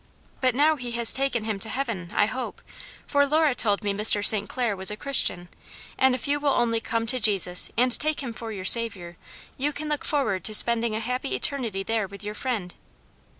But now he has taken him to heaven, I hope for Lora told me Mr. St. Clair was a Christian and if you will only come to Jesus and take him for your Saviour, you can look forward to spending a happy eternity there with your friend.